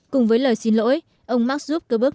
cùng với lời xin lỗi ông mark zuckerberg